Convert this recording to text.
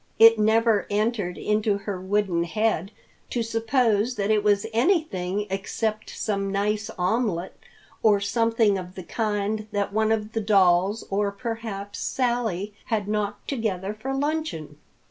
It never entered into her wooden head to suppose that it was anything except some nice omelet or something of the kind that one of the dolls or perhaps Sally had knocked together for luncheon.